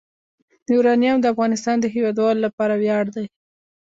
یورانیم د افغانستان د هیوادوالو لپاره ویاړ دی.